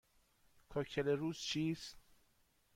کوکتل روز چیست؟